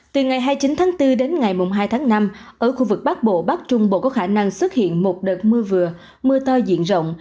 từ ngày hai mươi chín tháng bốn đến ngày hai tháng năm ở khu vực bắc bộ bắc trung bộ có khả năng xuất hiện một đợt mưa vừa mưa to diện rộng